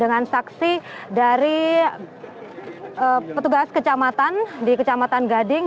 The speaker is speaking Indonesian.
dengan saksi dari petugas kecamatan di kecamatan gading